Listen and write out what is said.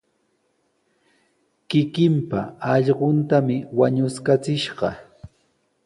Kikinpa allquntami wañuskachishqa.